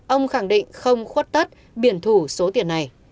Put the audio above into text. ông khẳng định không khuất tất biển thủ số tiền này